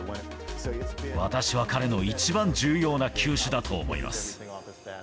私は彼の一番重要な球種だと思います。